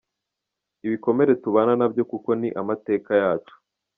Ibikomere tubana nabyo kuko ni amateka yacu.